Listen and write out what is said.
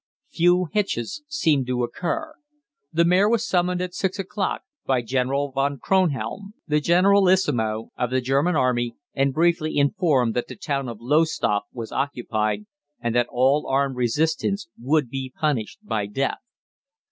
"Few hitches seemed to occur. The mayor was summoned at six o'clock by General von Kronhelm, the generalissimo of the German Army, and briefly informed that the town of Lowestoft was occupied, and that all armed resistance would be punished by death.